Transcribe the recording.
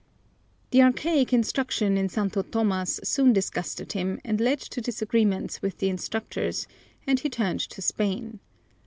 The archaic instruction in Santo Tomas soon disgusted him and led to disagreements with the instructors, and he turned to Spain.